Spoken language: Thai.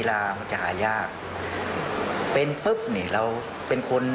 มันมีโอกาสเกิดอุบัติเหตุได้นะครับ